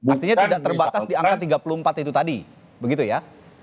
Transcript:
artinya tidak terbatas di angka tiga puluh empat itu tadi begitu ya